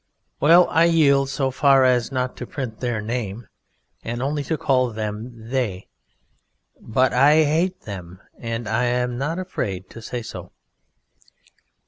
Well, I yield so far as not to print Their name, and only to call Them "They", but I hate Them, and I'm not afraid to say so.